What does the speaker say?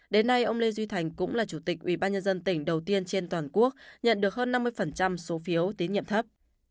đến nay ông lê duy thành cũng là chủ tịch ủy ban nhân dân tỉnh đầu tiên trên toàn quốc nhận được hơn năm mươi số phiếu tín nhiệm thấp